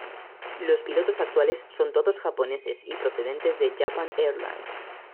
Los pilotos actuales son todos japoneses y procedentes de Japan Airlines.